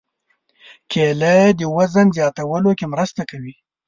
کېله د وزن زیاتولو کې مرسته کوي.